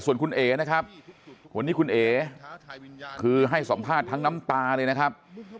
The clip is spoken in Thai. ส่วนคุณเอ๋นะครับวันนี้คุณเอ๋คือให้สัมภาษณ์ทั้งน้ำตาเลยนะครับ